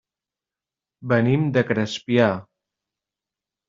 Venim de Crespià.